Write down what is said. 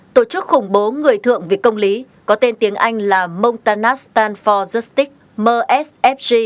hai tổ chức khủng bố người thượng vì công lý có tên tiếng anh là montanastan for justice msfg